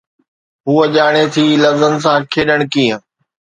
هوءَ ڄاڻي ٿي لفظن سان کيڏڻ ڪيئن